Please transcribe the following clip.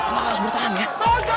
bang harus kuat bang